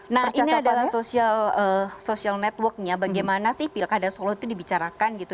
nah ini adalah social networknya bagaimana sih pilkada solo itu dibicarakan gitu